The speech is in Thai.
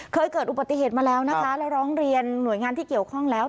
เกิดอุบัติเหตุมาแล้วนะคะแล้วร้องเรียนหน่วยงานที่เกี่ยวข้องแล้ว